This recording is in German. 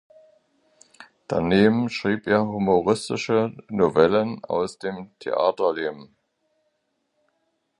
Daneben schrieb er humoristische Novellen aus dem Theaterleben.